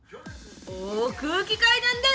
お空気階段だ！